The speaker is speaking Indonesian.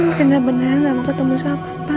benar benar nggak mau ketemu siapa